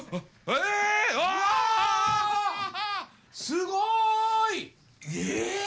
すごい！え！